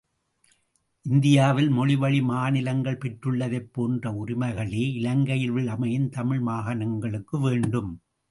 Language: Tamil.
இந்தியாவில் மொழி வழி மாநிலங்கள் பெற்றுள்ளதைப் போன்ற உரிமைகளே, இலங்கையில் அமையும் தமிழ் மாகாணங்களுக்கு வேண்டும்.